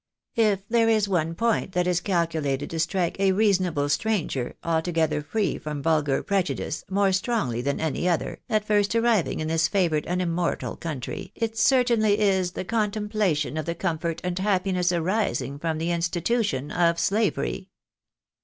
" If there is one point that is calculated to strike a reasonable stranger, altogether free from vulgar prejudice, more strongly than any other, at first arriving in this favoured and immortal country, it certainly is the contemplation of the comfort and happiness aris ing from the institution of slavery."